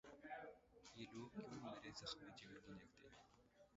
یہ لوگ کیوں مرے زخمِ جگر کو دیکھتے ہیں